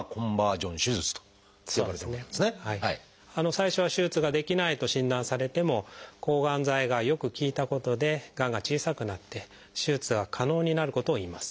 最初は手術ができないと診断されても抗がん剤がよく効いたことでがんが小さくなって手術が可能になることをいいます。